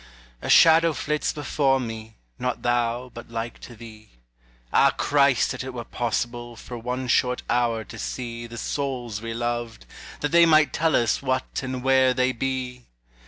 A shadow flits before me, Not thou, but like to thee; Ah Christ, that it were possible For one short hour to see The souls we loved, that they might tell us What and where they be!